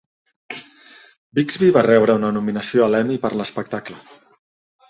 Bixby va rebre una nominació a l'Emmy per l'espectacle.